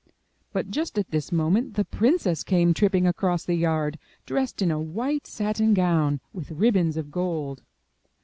But just at this moment the princess came tripping across the yard, dressed in a white satin gown, with ribbons of gold.